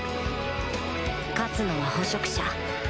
勝つのは捕食者